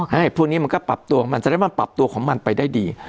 แต่พรุ่งนี้มันก็ปรับตัวของมันสามารถปรับตัวของมันไปได้ดี